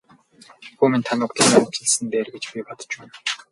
Хүү минь та нүглээ наманчилсан нь дээр гэж би бодож байна.